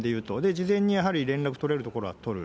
事前にやはり連絡取れるところは取る。